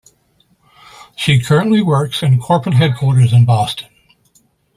She currently works in the corporate headquarters in Boston.